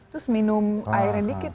terus minum airnya dikit